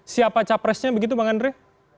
siapa capresnya begitu bang andre